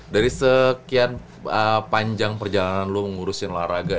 dari sekian panjang perjalanan lu mengurusin olahraga